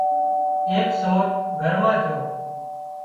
ايڪ سور گھر مان جھو